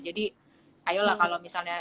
jadi ayolah kalau misalnya